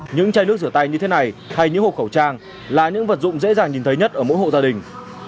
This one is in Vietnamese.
những chai nước rửa tay như thế này hay những hộp khẩu trang là những vật dụng dễ dàng nhìn thấy nhất ở mỗi hộ gia đình